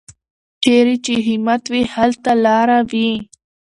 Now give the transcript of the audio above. چېرې چې همت وي، هلته لاره وي.